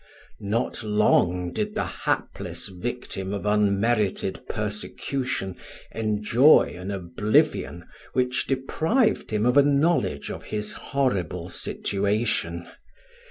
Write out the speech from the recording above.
Not long did the hapless victim of unmerited persecution enjoy an oblivion which deprived him of a knowledge of his horrible situation.